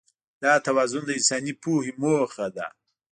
دا توازن د انساني پوهې موخه ده.